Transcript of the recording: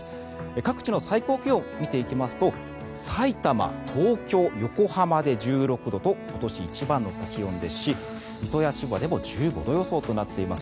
各地の最高気温を見ていきますとさいたま、東京、横浜で１６度と今年一番の気温ですし水戸や千葉でも１５度予想となっています。